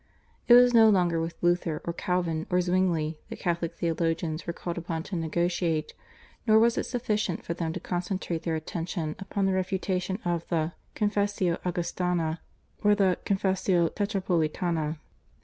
It was no longer with Luther, or Calvin, or Zwingli that Catholic theologians were called upon to negotiate, nor was it sufficient for them to concentrate their attention upon the refutation of the /Confessio Augustana/ or the /Confessio Tetrapolitana